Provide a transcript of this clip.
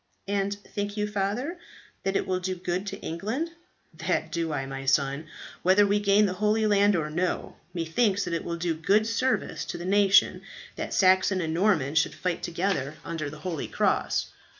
"And think you, Father, that it will do good to England?" "That do I, my son, whether we gain the Holy Land or no. Methinks that it will do good service to the nation that Saxon and Norman should fight together under the holy cross.